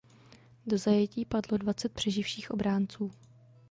Do zajetí padlo dvacet přeživších obránců.